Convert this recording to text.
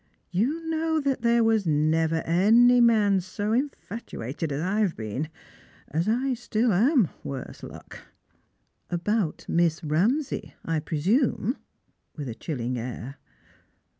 You know that there never was any man so infatuated as I have been— as I still am, worse luck !"" About Miss Eamsay, I presume; " with a chilUng air.